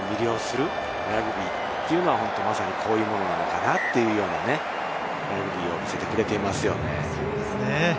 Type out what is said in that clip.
見るものを魅了するラグビーというのは、こういうものなのかなというようなラグビーを見せてくれています。